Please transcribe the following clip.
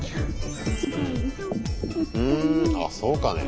ふんあっそうかね。